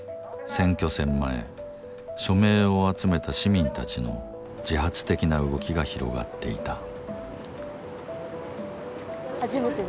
選挙戦前署名を集めた市民たちの自発的な動きが広がっていた。